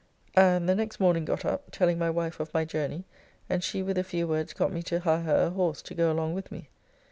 And the next morning got up, telling my wife of my journey, and she with a few words got me to hire her a horse to go along with me.